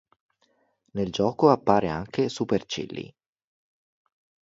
Nel gioco appare anche Super Chilly.